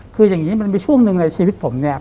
คืออย่างนี้มันมีช่วงหนึ่งในชีวิตผมเนี่ย